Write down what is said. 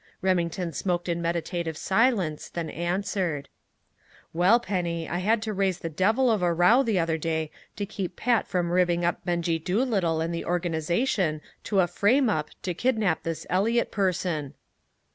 Remington smoked in meditative silence, then answered: "Well, Penny, I had to raise the devil of a row the other day to keep Pat from ribbing up Benjie Doolittle and the organization to a frame up to kidnap this Eliot person."